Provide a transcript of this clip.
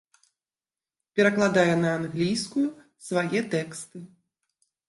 Перакладае на англійскую свае тэксты.